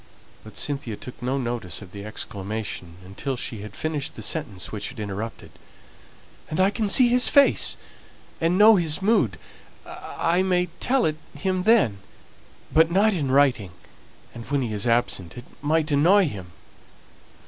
But Cynthia took no notice of the exclamation until she had finished the sentence which it interrupted. " and I can see his face and know his mood, I may tell it him then; but not in writing, and when he is absent; it might annoy him."